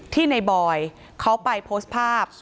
ที่ในบอยเขาไปโพสต์ภาพ